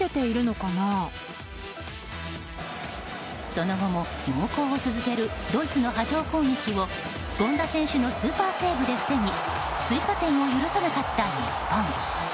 その後も猛攻を続けるドイツの波状攻撃を権田選手のスーパーセーブで防ぎ追加点を許さなかった日本。